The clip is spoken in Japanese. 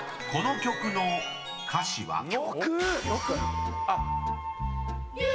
［この曲の歌詞は？］